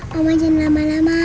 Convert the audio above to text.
mama jangan lama lama